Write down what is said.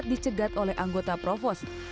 dicegat oleh anggota provos